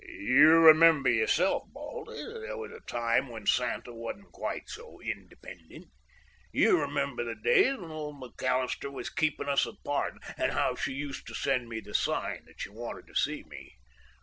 "You remember, yourself, Baldy, that there was a time when Santa wasn't quite so independent. You remember the days when old McAllister was keepin' us apart, and how she used to send me the sign that she wanted to see me?